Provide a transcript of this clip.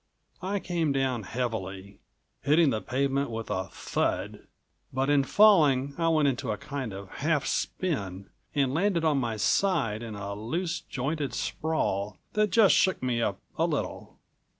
I came down heavily, hitting the pavement with a thud. But in falling I went into a kind of half spin, and landed on my side in a loose jointed sprawl that just shook me up a little.